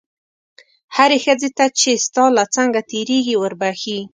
هرې ښځې ته چې ستا له څنګه تېرېږي وربښې.